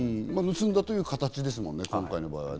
盗んだという形ですもんね、今回は。